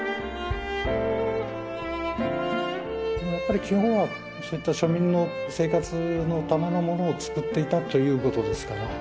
やっぱり基本はそういった庶民の生活のためのものを作っていたということですかな